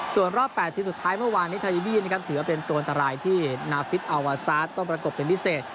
ส่วนรอบ๘ทีมสุดท้ายเมื่อวานนี้ไทยบีนะครับถือว่าเป็นตัวอันตรายที่นาฟิศอัลวาซาสต้องประกบเป็นพิเศษ